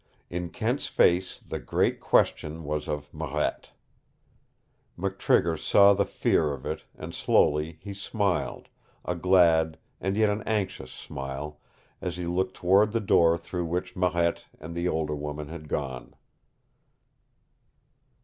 In Kent's face the great question was of Marette. McTrigger saw the fear of it, and slowly he smiled, a glad and yet an anxious smile, as he looked toward the door through which Marette and the older woman had gone.